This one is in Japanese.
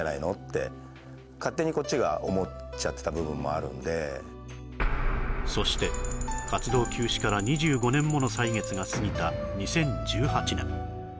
そのためそして活動休止から２５年もの歳月が過ぎた２０１８年